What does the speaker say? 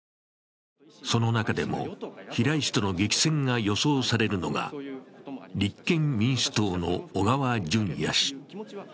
その中でも平井氏との激戦が予想されるのが、立憲民主党の小川淳也氏。